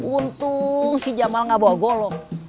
untung si jamal gak bawa golok